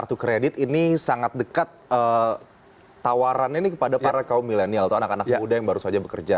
kartu kredit ini sangat dekat tawarannya ini kepada para kaum milenial atau anak anak muda yang baru saja bekerja